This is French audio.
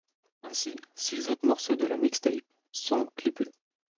Ainsi, six autres morceaux de la mixtape sont clippés.